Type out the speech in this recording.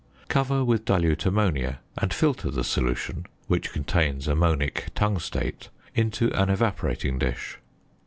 Cover with dilute ammonia, and filter the solution, which contains ammonic tungstate, into an evaporating dish.